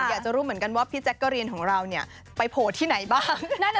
อยากจะรู้เหมือนกันว่าพี่แจ๊กกะรีนของเราไปโผล่ที่ไหนบ้าง